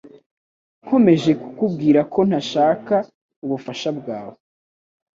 Nkomeje kukubwira ko ntashaka ubufasha bwawe.